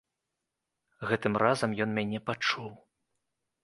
Гэтым разам ён мяне пачуў.